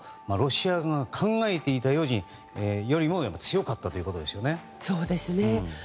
ロシア軍が考えていたよりも強かったということですね。